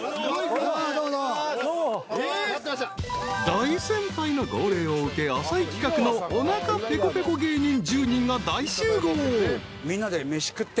［大先輩の号令を受け浅井企画のおなかぺこぺこ芸人１０人が大集合］